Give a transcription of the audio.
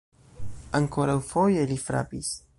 Ankoraŭfoje li frapis.